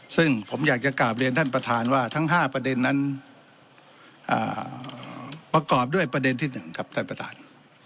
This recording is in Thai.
ซึ่งผมอยากจะกลับเรียนท่านประธานว่าทั้ง๕ประเด็นนั้นประกอบด้วยประเด็นที่๑ครับท่านประธาน